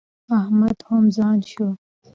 احمد هم ځوان شو.